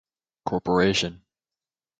Corporation.